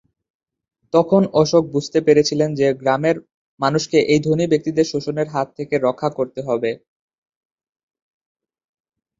তখন অশোক বুঝতে পেরেছিলেন যে, গ্রামের মানুষকে এই ধনী ব্যক্তিদের শোষণের হাত থেকে রক্ষা করতে হবে।